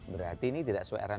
berarti ini tidak sesuai dengan